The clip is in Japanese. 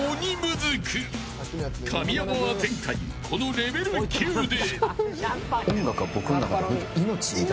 ずく神山は前回このレベル９で。